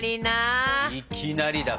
いきなりな。